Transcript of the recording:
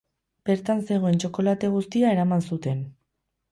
Bertan zegoen txokolate guztia eraman zuten.